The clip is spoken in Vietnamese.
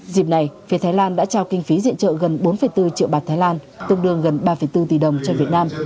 dịp này phía thái lan đã trao kinh phí diện trợ gần bốn bốn triệu bạc thái lan tương đương gần ba bốn tỷ đồng cho việt nam